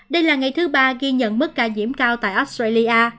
đây là ngày thứ ba ghi nhận mức ca nhiễm cao tại australia